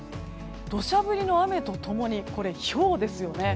土砂降りの雨と共にひょうですよね。